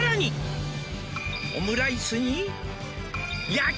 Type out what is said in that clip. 「オムライスに」